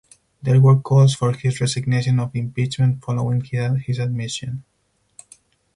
There were calls for his resignation or impeachment following his admission.